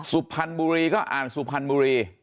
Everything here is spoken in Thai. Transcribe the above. สุพรรณบุรีก็อ่านสุพรรณบุรี